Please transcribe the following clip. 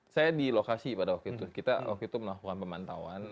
saya di lokasi pada waktu itu kita waktu itu melakukan pemantauan